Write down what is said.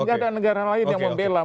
tidak ada negara lain yang membela